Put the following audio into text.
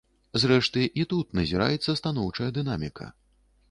Зрэшты, і тут назіраецца станоўчая дынаміка.